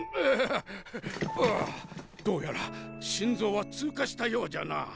ああどうやら心臓は通過したようじゃな。